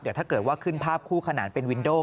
แต่ถ้าเกิดว่าขึ้นภาพคู่ขนานเป็นวินโด